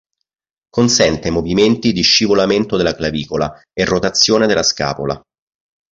Consente movimenti di scivolamento della clavicola e rotazione della scapola.